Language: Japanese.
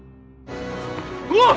うわっ！